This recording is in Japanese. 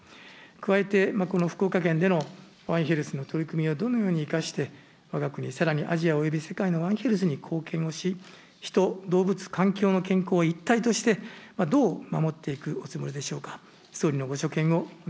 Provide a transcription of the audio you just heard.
加えてこの福岡県でのワンヘルスの取り組みをどのように生かして、わが国、さらにアジアおよび世界のワンヘルスに貢献をし、人、動物、環境の健康を一体として、どう守っていくおつもりでしょうか。